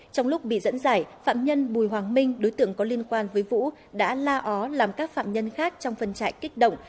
trong lúc bị dẫn giải phạm nhân bùi hoàng minh đối tượng có liên quan với vũ đã la ó làm các phạm nhân khác trong phân trại kích động